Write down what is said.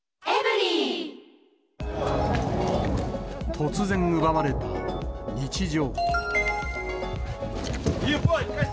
突然奪われた日常。